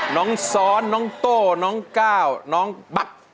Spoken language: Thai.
น้องซ้อนน้องโต้น้องก้าวน้องบั๊ก